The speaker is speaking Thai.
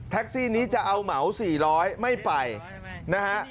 ซี่นี้จะเอาเหมา๔๐๐ไม่ไปนะฮะ